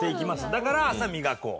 だから朝みがこう。